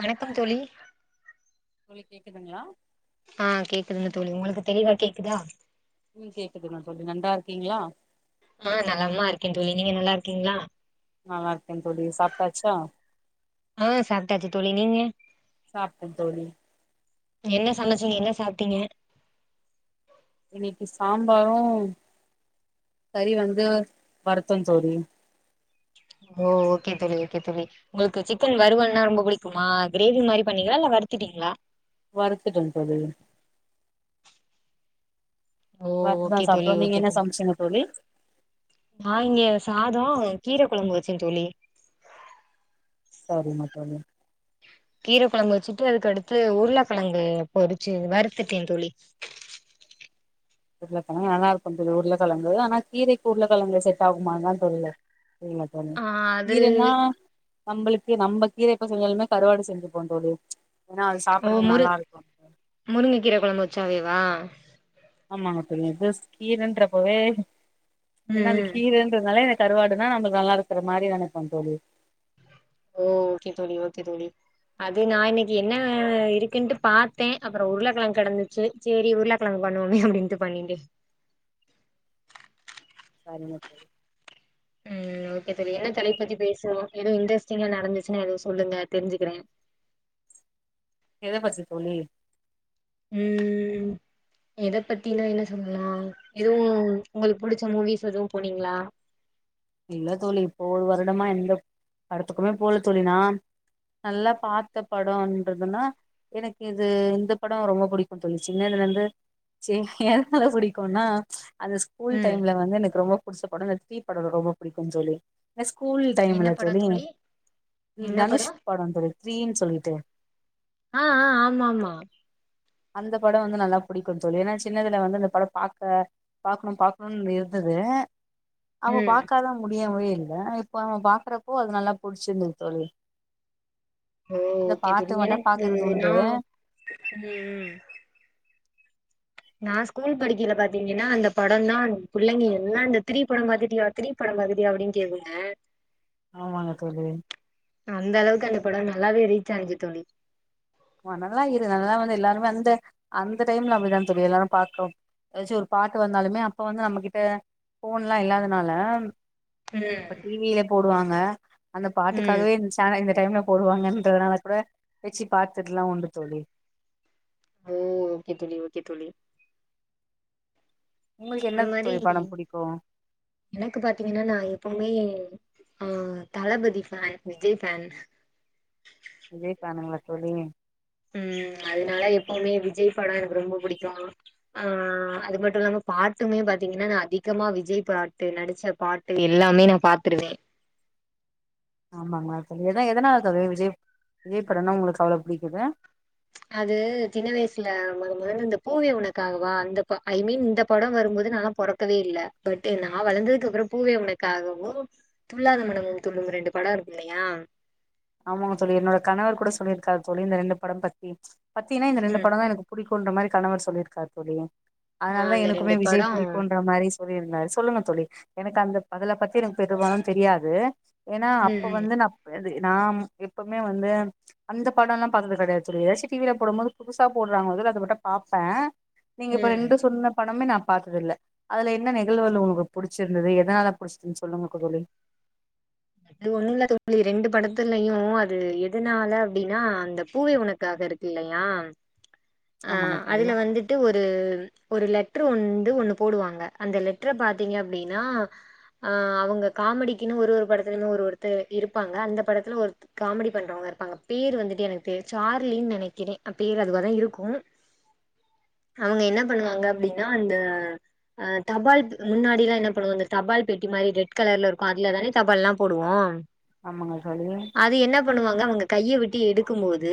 வணக்கம் தோழி உங்களுக்கு கேக்குதுங்ளா ஆ கேக்குதுங்க தோழி உங்களுக்கு தெளிவா கேக்குதா ம் கேக்குதுங்க தோழி நண்டா இருக்கீங்ளா ஆ நலமா இருக்க தோழி நீங்க நல்லா இருக்கீங்ளா நல்லா இருக்கே தோழி சாப்டாச்சா ஆ சாப்ட்டாச்சு தோழி நீங்க சாப்ட்ட தோழி என்ன சமச்சிங்க என்ன சாப்ட்டீங்க இன்னக்கி சாம்பாரு கறி வந்து வருத்தோ தோழி ஓ ஓகே தோழி ஓகே தோழி உங்குளுக்கு சிக்கன் வருவள்னா ரொம்ப புடிக்குமா கிரேவி மாரி பண்ணிங்களா இல்ல வருத்துட்டீங்களா வருத்துட்ட தோழி ஓ வறுத்துதா ஓகே தோழி சாப்டோ நீங்க ஓகே என்ன தோழி சமச்சிங்க தோழி நா இங்க சாதோ கீர கொழம்பு வச்ச தோழி சரிங்க தோழி கீர கொழம்பு வச்சுட்டு அதுக்கடுத்து உருளக்கெழங்கு பொரிச்சி வருத்துட்ட தோழி உருளைக்கழங்கு நல்லாருக்கு தோழி உருளக்கெழங்கு ஆனா கீரக்கி உருளக்கெழங்கு செட் ஆகுமானுதா தெர்ல தொன ஆ அது இருனா நம்புளுக்கு நம்ப கீர எப்ப செஞ்சாலுமே கருவாடு செஞ்சுபோ தோழி ஏனா அது சாப்புறதுக்கு நல்லாருக்கு முருங்க கீர கொழம்பு வச்சாவேவா ஆமாங்க தோழி ஜஸ்ட் கீரன்றப்பவே ஏனா ம் அது ம் கீரன் ன்ரதுனால என கருவாடு நா நம்மளுக்கு நல்லா இருக்ற மாரி நெனைப்ப தோழி ஓ ஓகே தோழி ஓகே தோழி அது நா இன்னைக்கி என்னா இருக்குன்ட்டு பாத்த அப்பறோ உருளக்கெழங்கு கெடந்துச்சு சேரி உருளக்கெழங்கு பண்ணுவோமே அப்டின்ட்டு பண்ணின்டே சரிங்க தோழி ம் ஓகே தோழி என்ன தலைப் பத்தி பேசுவோ எது இன்ட்ரஸ்டிங்கா நடந்துச்சுனா எதுவு சொல்லுங்க தெரிஞ்சுக்கிற எத பத்தி தோழி ம் எத பத்தினா என்ன சொல்லல எதுவு உங்களுக் புடிச்ச மூவிஸ் எதுவு போனீங்ளா இல்ல தோழி இப்போ ஒரு வருடமா எந்த படத்துக்குமே போல தோழி நா நல்லா பத்த படோன்றதுனா எனக்கு இது இந்த படோ ரொம்ப புடிக்கு தோழி சின்னதுலெந்து சே எந்தளவ்க் புடிக்குனா அந்த ஸ்கூல் ம் டைம்ல வந்து எனக்கு ரொம்ப புடிச்ச படோ இந்த ‌‍‍‌த்ரீ படோ ரொம்ப புடிக்குந்‍‌‌‍‍ தோழி என ஸ்கூல் என்ன டைமுல படோ தோழி தனுஷ் படோ தோழி த்ரீன் சொல்லிட்டு ஆ ஆ ஆமா ஆமா அந்த படோ வந்து நல்லா புடிக்கு தோழி ஏனா சின்னதுல வந்து அந்த பட பாக்க பாக்குணு பாக்குணுன் இருந்தது அவுங் ம் பாக் கலா முடியவே இல்ல இப்போ அவ பாக்குறப்போ அது நல்லா புடிச்சிந்தது தோழி ஓ இந்த ஓகே பாட்டு தோழி மட்டு எனக்கு பாக்குறது உண்டு நா ம் நா ஸ்கூல் படிக்கற பாத்தீங்கனா அந்த படந்தா புள்ளைங்க எல்லா அந்த த்ரீ படோ பாத்திட்டியா த்ரீ படோ பாத்திட்டியா அப்டின் கேக்குங்க ஆமாங்க தோழி அந்த அளவுக்கு அந்த படோ நல்லாவே ரீச் ஆனிச்சு தோழி வ நல்லா இரு நல்லா வந்தா எல்லாருமே அந்த அந்த டைம்ல அப்படிதா தோழி எல்லாரு பாத்தோ எதாச்சு ஒரு பாட்டு வந்தாலுமே அப்ப வந்து நம்மகிட்ட ஃபோன்லா இல்லாதுனால இப்ப ம் டிவில போடுவாங்க அந்த ம் பாட்டுக்காகவே இந் சேனல இந்த டைம்ல போடுவாங்கன்றதுனால கூட வெச்சு பாத்தட்லா உண்டு தோழி ஓ ஓகே தோழி ஓகே தோழி உங்களுக்கு என்ன அந்த மாரி தோழி படம் புடிக்கு எனக்கு பாத்தீங்கன்னா நா எப்பவுமே அ தளபதி ஃபேன் விஜய் ஃபேன் விஜய்‌ ஃபேனுங்ளா தோழி ம் அதனால எப்பவுமே விஜய் படோ எனக்கு ரொம்போ புடிக்கு அ அது மட்டு இல்லாம பாட்டுமே பாத்தீங்கன்னா நா அதிகமா விஜய் பாட்டு நடிச்ச பாட் டு எல்லாமே நா பாத்துருவே ஆமாங்ளா தோழி எத எதனால தோழி விஜய் விஜய் படன்ன உங்களுக்கு அவ்ளோ புடிக்குது அது சின்ன வயசுல மொத மொதல இந்த பூவே உனக்காகவா அந்த ஐ மீன் இந்த படோ வரும்போது நாலா பொறக் கவே இல்ல பட்டு நா வளந்ததுக்கப்புறோ பூவே உனக்காகவும் துள்ளாத மனமும் துள்ளும் ரெண்டு படோ இருக்கில்லையா ஆமாங்க தோழி என்னோட கணவர் கூட சொல்லிருக்காரு தோழி இந்த ரெண்டு படம் பத்தி பத்தியனா இந்த ரெண்டு ம். படோ தா எனக்கு புடிக் ன்ற மாரி கணவர் சொல்லியிருக்கார் தோழி ஆ அதனால தா அந்த எனக்குமே விஜய் படம் புடிக்குன்ற மாரி சொல்லியிருந்தாரு சொல்லுங்க தோழி எனக்கு அந்த அதுல பத்தி எனக்கு பெரும்பாலு தெரியாது ஏனா ம், அப்ப ம், வந்து நா அது நாம் எப்பவ்மே வந்து அந்த படன்ல்லா பாத்தது கெடையாது தோழி எதாச்சும் டிவில போடும்போது புதுசா போடுறாங்க மொதல அத மட்டு பாப்பே நீங்க இப்ப ம். ரெண்டு சொன்ன படமே நா பாத்ததில்ல அதுல என்ன நிகழ்வுகள் உங்களுக்கு புடிச்சிருந்தது எதனால புடிச்சதுன் சொல்லுங்க தோழி அது ஒண்ணும் இல்ல தோழி ரெண்டு படத்துலையும் அது எதனால அப்டின்னா அந்த பூவே உனக்காக இருக்கு இல்லயா அ ஆமாங்க தோழி அதுல வந்து ட்டு ஒரு லெட்டரு வந்து ஒண்ணு போடுவாங்க அந்த லெட்டர பாத்தீங்க அப்டின்னா அ அவங்க காமெடிக்குன்னு ஒரு ஒரு படத்துலயும் ஒரு ஒருத்தர் இருப்பாங்க அந்த படத்துல ஒரு காமெடி பண்றவங்க இருப்பாங்க பேர் வந்துட்டு எனக்கு தெ சார்லின்னு நனைக்கறேன் பேர் அதுவ தான் இருக்கும் அவங்க என்ன பண்ணுவாங்க அப்டின்னா அந்த அ தபால் முன்னாடிலாம் என்ன பண்ணுவங்க அந்த தபால் பெட்டி மாரி ரெட் கலர்ல இருக்கும் அதுல தானே தபால் எல்லா போடுவோம் ஆமாங்க தோழி அது என்ன பண்ணுவாங்க அவங்க கைய விட்டு எடுக்கும் போது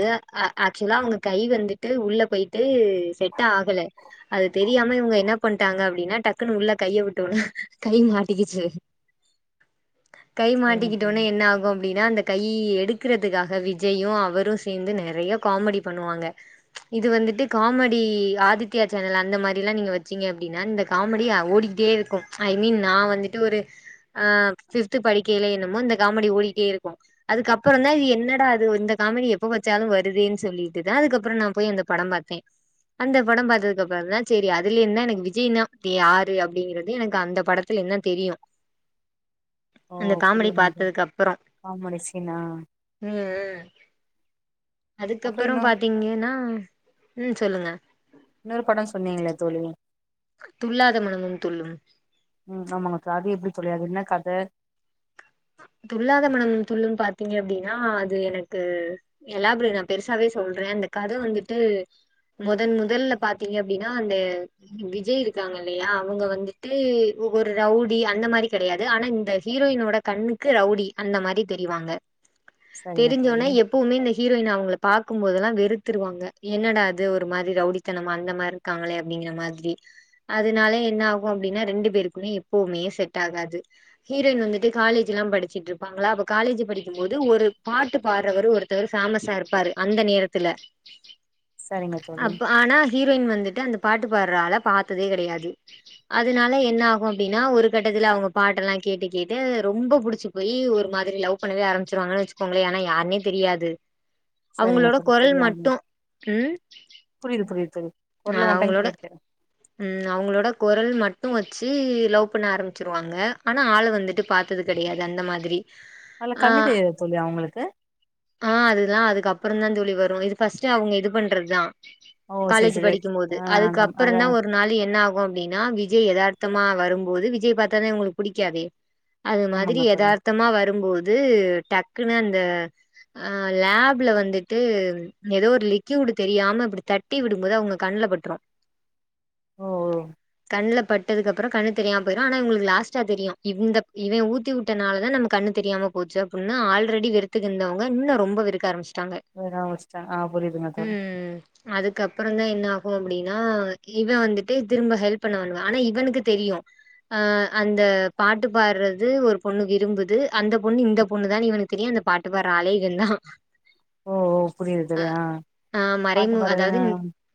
ஆக்சுவலா அவங்க கை வந்து ட்டு உள்ள போயிட்டு செட்டாகல அது தெரியாம இவங்க என்ன பண்ட்டாங்க அப்டின்னா டக்குன்னு உள்ள கைய விட்டவுன்னா கை மாட்டிக்கிச்சு கை சரிங்க மாட்டிக்கிட்ட வுன்ன தோழி என்ன ஆகும் அப்டின்னா அந்த கை எடுக்கறதுக்காக விஜயும் அவரும் சேந்து நறைய காமெடி பண்ணுவாங்க இது வந்துட்டு காமெடி ஆதித்யா சேனல் அந்த மாரி எல்லா நீங்க வச்சீங்க அப்டின்னா இந்த காமெடி ஓடிட்டேயி க்கும் ஐ மீன் நா வந்துட்டு ஒரு அ பிப்த்து படிக்கைல என்னமோ இந்த காமெடி ஓடிட்டே இருக்கு அதுக்கப்றம் தா இது என்னடாது இந்த காமெடி எப்ப வச்சாலும் வருதுன்னு சொல்லிட்டு தா அதுக்கப்றம் நா போய் அந்த படம் பாத்தே அந்த படம் பார்த்ததுகப்றம் தா சரி அதுல இருந்து எனக்கு விஜய்னா யாரு அப்டிங்கறது எனக்கு அந்த படத்த என்ன தெரியும் ஓ அந்த காமெடி புரியுதுங்க பாத்ததுக்கு அப்றம் காமெடி சீனா ம் ம் அப்றோ இன்னொ அதுக்கப்றம் பாத்தீங்கன்னா ம் சொல்லுங்க இன்னொரு பட சொன்னீங்களே தோழி துள்ளாத மனமும் துள்ளும் ம் ஆமாங்க அது எப்டி தோழி அது என்ன கத துள்ளாதமனம் துள்ளும் பாத்தீங்கன அப்டின்னா அது எனக்கு எலாபே நா பெருசாவே சொல்றே அந்த கத வந்துட்டு மொதன் மொதல்ல பாத்தீங்க அப்டின்னா அந்த விஜய் இருக்காங்க இல்லயா அவங்க வந்துட்டு ஒரு ரவுடி அந்த மாரி கடையாது ஆனா இந்த ஹீரோயினோட கண்ணுக்கு ரவுடி அந்த மாரி தெரிவாங்க சரிங்க தோழி தெரிஞ்சவுனே எ எப்புமே இந்த ஹீரோயின் அவங்கள பாக்கும்போதல்லாம் வெறுத்துருவாங்க என்னடா அது ஒரு மாரி ரவுடித்தனம் அந்த மாரி க்காங்களே அப்டிங்கிற மாரி அதனால என்ன ஆகும் அப்டின்னா ரெண்டு பேருக்குமே எப்பவுமே செட் ஆகாது ஹீரோயின் வந்துட்டு காலேஜ்லாம் படிச்சிட்டு இருப்பாங்களா அப்போ காலேஜ் படிக்கும்போது ஒரு பாட்டு பாடறவரு ஒருத்தவரு ஃபேமஸா இருப்பாரு அந்த நேரத்துல சரிங்க தோழி அப் ஆனா ஹீரோயின் வந்துட்டு அந்த பாட்டு பாடுற ஆள பாத்ததே கெடையாது அதனால என்ன ஆகும் அப்டின்னா ஒரு கட்டத்துல அவங்க பாட்டல்லாம் கேட்டு கேட்டு ரொம்ப புடிச்சு போய் ஒரு மாதிரி லவ் பண்ணவே ஆரம்பிச்சிருவாங்கன்னு வச்சுக்கோங்களே ஆனா யாருன்னே தெரியாது சரிங்க அவங்களோட தோழி குரல் தெரியாது மட்டும் ம் புரியுது புரியுது தோழி ஆ குரல மட்டு அவங்களோட கேட்டே ம் அவங்களோட குரல் மட்டும் வச்சு லவ் பண்ண ஆரம்பிச்சிருவாங்க ஆனா ஆள வந்துட்டு பாத்தது கெடையாது அந்த மாதிரி அதுல ஆ கண் தெரியாத தோழி அவங்களுக்கு ஆ அதுதா அதுக்கப்பறம் தா தோழி வரும் இது ஃபர்ஸ்ட் அவங்க இது பண்றதுதா ஓ செர்ஸ் த் படிக்குமோது அதுக்கப்புறந்தா ஒர் நாளு என்னாகு அப்டினா விஜய் எதார்த்தமா வரும்போது விஜய் பாத்தாதா இவுங்குளுக் புடிக்காதே அது மாதிரி ஆமாங்க தோழி எதார்த்தமா வரும்போது டக்குனு அந்த ஆ லேப்ல வந்துட்டு எதோ ஒரு லிக்யூடு தெரியாம இப்டி தட்டி விடு ம்போது அவ்ங்க கண்ல பட்ரு ஓ கண்ல பட்டதுக்கப்புறோ கண்ணு தெரியாம போய்ரு ஆனா இவுங்களுக்கு லாஸ்டா தெரியு இந்த இவன் ஊத்திவுட்டனாலதா நம்ம கண்ணு தெரியாம போச்சு அப்புன்னு ஆல்ரெடி வெறுத்துகிந்தவ்ங்க இன்னு ரொம்ப வெறுக்க ஆரமிஸ்ட்டாங்க வேற ஆரமிஸ்ட்டாங் ஆ புரிதுங்க தோழி அது க்கப்புறந்தா என்னாகு அப்டினா இவன் வந்துட்டு திரும்ப ஹெல்ப் பண்ண வருவான் ஆனா இவனுக்கு தெரியு ஆ அந்த பாட்டு பாட்றது ஒரு பொண்ணு விரும்புது அந்த பொண்ணு இந்த பொண்ணுதான் இவனுக் தெரியு அந்த பாட்டு பாட்ற ஆளே இவன்தா ஓ ஓ புரிது புரிது ஆ ஆ பாட்டு மறைமு அதாவது பாறதா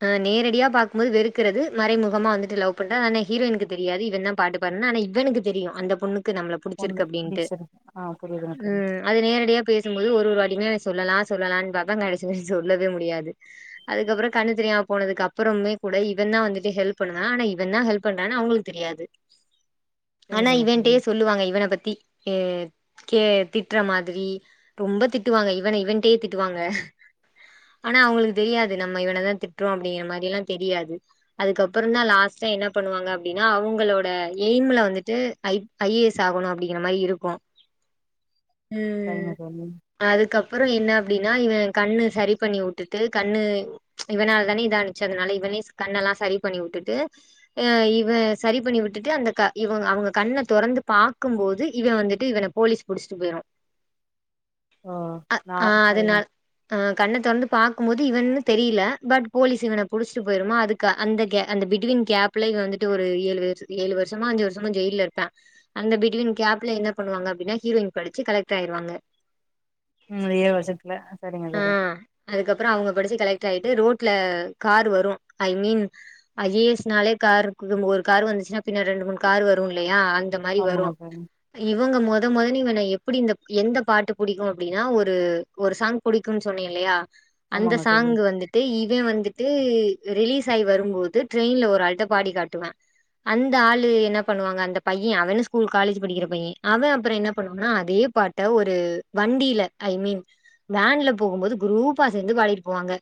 ஆ நேரடியா பாக்கும்போது வெறுக்குறது மறைமுகமா வந்துட்டு லவ் பண்றா ஆனா ஹீரோய்ன்க்கு தெரியாது இவன்தா பாட்டு பாட்னா ஆனா இவனுக்கு தெரியு அந்த பொண்ணுக்கு நம்ள பொண்ணு புடிச்சிருக்கு அப்டின்ட்டு புடிச்சிருக்கு ஆ புரியுதுங்க தோழி ம் அது நேரடியா பேசும்போது ஒரு ஒரு வாட்டியுமே அவன் சொல்லலா சொல்லலான் பாப்பான் கடசில சொல்லவே முடியாது அதுக்கப்றோ கண்ணு தெரியாம போனதுக்கப்புறமே கூட இவன்தா வந்துட்டு ஹெல்ப் பண்ணுவான் ஆனா இவன்தா ஹெல்ப் பண்றான்னு அவுங்களுக் தெரியாது ஆனா புரியுதுங்க தோழி இவன்ட்டே சொல்லுவாங்க இவன பத்தி எ கே திட்ற மாதிரி ரொம்ப திட்டுவாங்க இவன இவன்ட்டே திட்டுவாங்க ஆனா அவுங்குளுக்கு தெரியாது நம்ம இவனதா திட்றோ அப்டிங்கிற மாரியலா தெரியாது அதுக்கப்புறந்தா லாஸ்ட்டா என்ன பண்ணுவாங்க அப்டினா அவுங்களோட ஏய்ம்ல வந்துட்டு ஐ ஐ ஏ எஸ் ஆகணு அப்டிங்கிற மாரி இருக்கு ம் சரிங்க தோழி அதுக்கப்புறோ என்ன அப்டினா இவன் கண்ணு சரி பண்ணி உட்டுட்டு கண்ணு இவனாலதானே இதானுச்சு அதுனால இவனே கண்ணலா சரி பண்ணி உட்டுட்டு அ இவன் சரி பண்ணி விட்டுட்டு அந்த க இவன் அவ்ங்க கண்ண தொறந்து பாக்கும்போது இவன் வந்துட்டு இவன போலீஸ் புடிஸ்ட்டு போய்ரு ஓ அ நா ஆ சரிங்க அதுனால் ஆ கண்ண தொறந்து பாக்கும்போது இவன்னு தெரில பட் போலீஸ் இவன புடிஸ்ட்டு போய்ருமா அதுக்கு அந்த கே அந்த பிட்டுவீன் கேப்புல இவன் வந்துட்டு ஒரு ஏழு வெர்ஷு ஏழு வர்ஷமோ அஞ்சு வர்ஷமு ஜெயில்ல இருப்பான் அந்த பிட்டுவின் கேப்ல என்ன பண்ணுவாங்க அப்டினா ஹீரோயின் படிச்சு கலெக்டர் ஆய்ருவாங்க ம் அந்த ஏழு வர்ஷத்ல ஆ சரிங்க தோழி அதுக்கப்றோ அவுங்க படிச்சு கலெக்ட்ராய்ட்டு ரோட்ல காரு வரூ I mean I A S நாலே காருக்குது ஒரு காரு வந்துச்சுனா பின்னாடி ரெண்டு மூணு காரு வரூ இல்லயா அ ந்த மாரி வரூ ஆமாங்க தோழி இவ்ங்க மொத மொதன் இவன எப்புடி இந்தப் எந்த பாட்ட புடிக்கூ அப்டினா ஒரு ஒரு சாங் புடிக்குன் சொன்னே இல்லயா அந்த ஆமாங்க தோழி சாங்கு வந் துட்டு இவே வந்துட்டு ரிலீஸ் ஆயி வரும்போது ட்ரெய்ன்ல ஒராள்ட்ட பாடி காட்டுவான் அந்த ஆளு என்ன பண்ணுவாங்க அந்த பையேன் அவன் ஸ்கூலு காலேஜு படிக்கிற பையே அவன் அப்றோ என்ன பண்ணுவானா அதே பாட் ட ஒரு வண்டில ஐ மீன் வேன்ல போகும்போது குரூப்பா சேந்து பாடிட்டு போவாங்க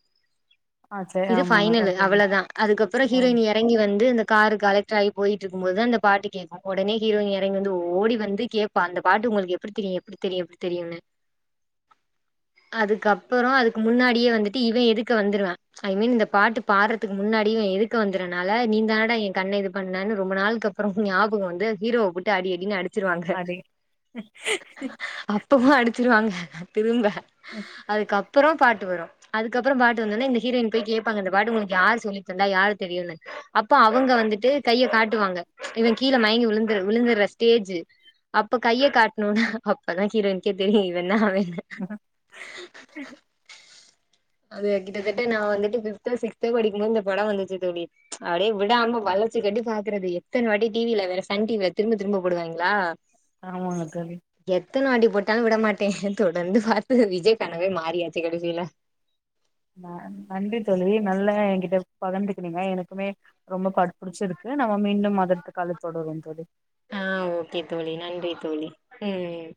ஆ சரி இது ஆமாங்க ஃபைனலு ஓகேங்க அவுளதா அதுக்கப்புறோ ஆ ஹீரோயினிய எறங்கி வந்து அந்த காரு கலக்ட்ராயி போய்ட்டிருக்கும்போதுதா அந்த பாட்டு கேக்கூ ஒடனே ஹீரோய்னி எறங்கி வந்து ஓடி வந்து கே ப்பா அந்த பாட்டு உங்களுக்கு எப்டி தெரியு எப்டி தெரியு எப்டி தெரியுன்னு அதுக்கப்பறோ அதுக்கு முன்னாடியே வந்துட்டு இவே எதுக்க வந்துறுவ்வா ஐ மீன் இந்த பாட்டு பாட்றதுக்கு முன்னாடிஇவ எதுக்க வந்துறனால நீ தானடா என் கண்ண இது பண்ணனு ரொம்ப நாளுக்கப் றோ ஞாபகோ வந்து ஹீரோவ போட்டு அடி அடினு அடுச்சுருவாங்க அதே அப்பவு அடுச்சிருவாங்க திரும்ப அதுக்கப்புறோ பாட்டு வரு அதுக்கப் றோ பாட்டு வந்தோனே இந்த ஹீரோயின் போய் கேப்பாங்க இந்த பாட்டு ஒங்களுக்கு யார் சொல்லிதந்தா யாரு தெரியுன்னு அப்ப அவங்க வந்துட்டு கைய காட்டுவாங்க இவ கீழ மயங்கி விழுந்து விழுந்துற ஸ்டேஜு அப்ப கைய காட்ணோனே அப்பதா ஹீரோயின்கே தெரியு இவேந்தா அவே [unintelligible] அது கிட்டத்தட்ட நா வந்துட்டு ஃபிப்தோ சிக்ஸ்தோ படிக்கும்போது இந்த படோ வந்துச்சிதோழி அப்டியே விடாம வளஞ்சி கட்டி பாக்குறது எத்தன வாட்டி டிவீல வேற சன் டிவில திரும்ப திரும்ப போடுவாய்ங்களா ஆமாங்க தோழி எத்தன வாட்டி போட்டாலு விடமாட்டே தொடர்ந்து பாத்து விஜய் ஃபேனாவே மாறியாச்சு கடைசில ந நன்றி தோழி நல்லா எங்கிட்ட பகர்ந்துக்கினீங்க எனக்குமே ரொம்ப பாட்டு புடுச்சிருக்கு நம்ம மீண்டும் அடுத்து கால்லதொடருவோ தோழி ஆ ஓகே தோழி நன்றி தோழி ம் ம்